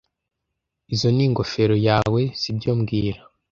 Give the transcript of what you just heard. Izoi ni ingofero yawe, sibyo mbwira